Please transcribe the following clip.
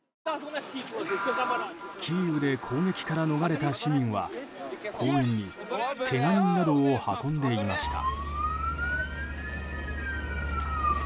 キーウで攻撃から逃れた市民は公園にけが人などを運んでいました。